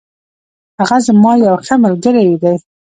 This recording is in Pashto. هغه زما یو ښه ملگری دی.